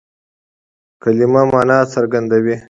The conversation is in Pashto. کلیمه مانا څرګندوي.